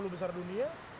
lima puluh besar dunia